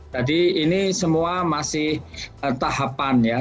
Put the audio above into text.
jadi ini semua masih tahapan ya